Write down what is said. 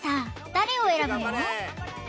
誰を選ぶの？